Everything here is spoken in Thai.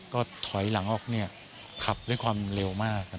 ก็ถอยหลังออกเนี่ยขับด้วยความเร็วมากครับ